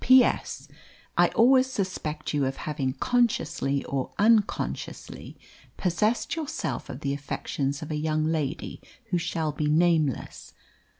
"P.S. I always suspect you of having, consciously or unconsciously, possessed yourself of the affections of a young lady who shall be nameless.